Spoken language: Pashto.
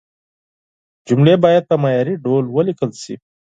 جملې باید په معياري ډول ولیکل شي.